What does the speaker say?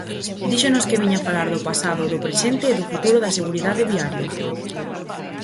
Díxonos que viña falar do pasado, do presente e do futuro da seguridade viaria.